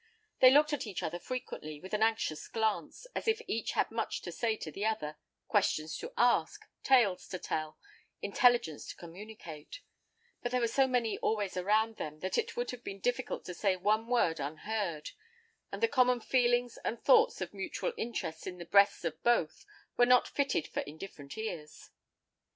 They looked at each other frequently, with an anxious glance, as if each had much to say to the other questions to ask, tales to tell, intelligence to communicate; but there were so many always round them, that it would have been difficult to say one word unheard, and the common feelings and thoughts of mutual interests in the breasts of both were not fitted for indifferent ears.